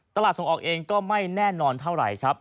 ตลาดส่งออกเองก็ไม่แน่นอนเท่าไหร่